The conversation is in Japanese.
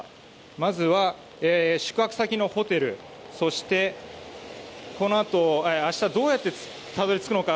まずは宿泊先のホテルそして明日どうやってたどり着くのか